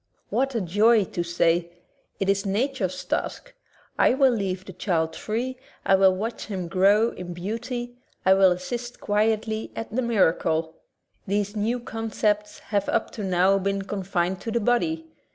What a joy to say, "It is nature's task. I will leave the child free, I will watch him grow in beauty, I will assist quietly at the miracle." These new concepts have up to now been confined to the body.